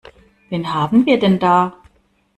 Wen haben wir denn da?